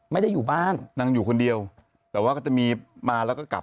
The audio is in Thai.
ไม่ได้อยู่บ้านนางอยู่คนเดียวแต่ว่าก็จะมีมาแล้วก็กลับ